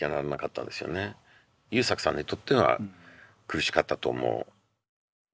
優作さんにとっては苦しかったと思う。